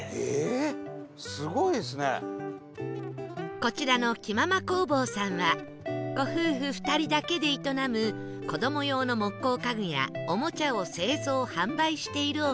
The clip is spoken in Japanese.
こちらの木まま工房さんはご夫婦２人だけで営む子ども用の木工家具やおもちゃを製造・販売しているお店